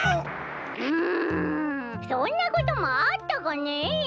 うんそんなこともあったかね。